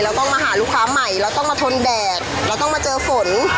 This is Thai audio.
ต้องมาหาลูกค้าใหม่เราต้องมาทนแดดเราต้องมาเจอฝน